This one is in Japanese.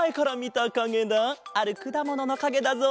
あるくだもののかげだぞ。